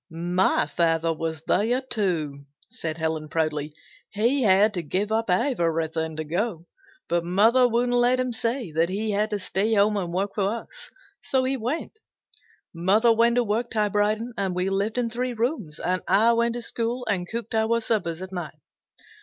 "My father was there too," said Helen proudly. "He had to give up everything to go, but mother wouldn't let him say that he had to stay home and work for us so he went. Mother went to work typewriting and we lived in three rooms, and I went to school and cooked our suppers at night.